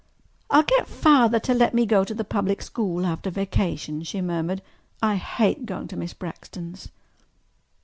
"I'll get Father to let me to go to the public school after vacation," she murmured. "I hate going to Miss Braxton's."